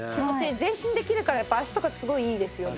全身できるからやっぱ足とかすごいいいですよね。